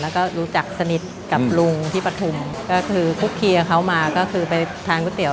แล้วก็รู้จักสนิทกับลุงที่ปฐุมก็คือคุกคีกับเขามาก็คือไปทานก๋วยเตี๋ย